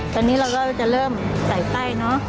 ตอนนี้เราก็จะเริ่มใส่ไส้เนอะ